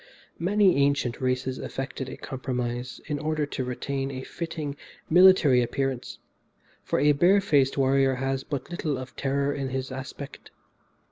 Many ancient races effected a compromise in order to retain a fitting military appearance, for a bare faced warrior has but little of terror in his aspect.